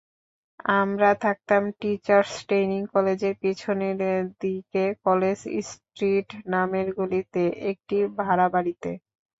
আমরা থাকতাম teachers training কলেজের পেছনের দিকে কলেজ স্ট্রিট নামের গলিতে, একটি ভাড়াবাড়িতে।